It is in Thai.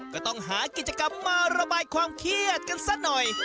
ก็ต้องหากิจกรรมมาระบายความเครียดกันซะหน่อย